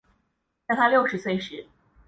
在她六十岁时